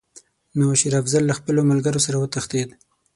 نو شېر افضل له خپلو ملګرو سره وتښتېد.